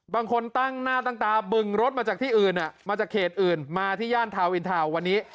บางคนตั้งหน้าตั้งตาบึงรถมาจากที่อื่นมาจากเขตอื่นมาที่ย่านทาวินทาวน์วันนี้